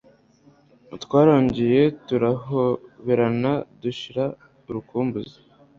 Twarongeye turahoberana dushirana urukumbuzi